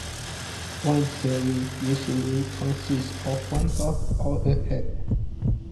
One serving usually consists of one half of a head.